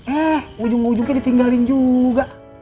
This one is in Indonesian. ah ujung ujungnya ditinggalin juga